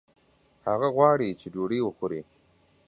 هغه غواړي چې ډوډۍ وخوړي